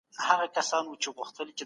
ټولنیزې رسنۍ وخت ضایع کوي.